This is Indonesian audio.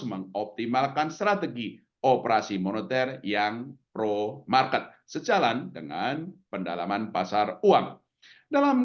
mengoptimalkan strategi operasi moneter yang pro market sejalan dengan pendalaman pasar uang dalam